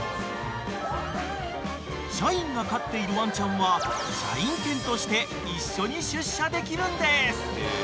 ［社員が飼っているワンちゃんは社員犬として一緒に出社できるんです］